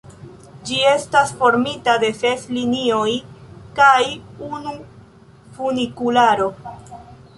Ĝi estas formita el ses linioj kaj unu funikularo.